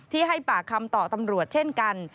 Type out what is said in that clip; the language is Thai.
ให้ปากคำต่อตำรวจเช่นกัน